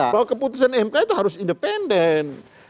bahwa keputusan mk itu harus independen